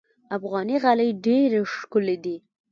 افغاني غالۍ ډېرې ښکلې دي.